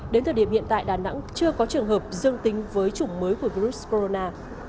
đến thời điểm hiện tại đà nẵng chưa có trường hợp dương tính với chủng mới của virus corona